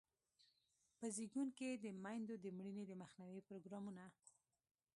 په زیږون کې د میندو د مړینې د مخنیوي پروګرامونه.